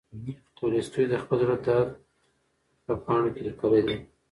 تولستوی د خپل زړه درد په پاڼو کې لیکلی دی.